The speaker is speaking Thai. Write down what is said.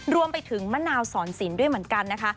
รวมไปถึงมะนาวสอนสินด้วยเหมือนกันนะคะ